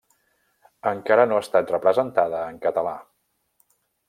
Encara no ha estat representada en català.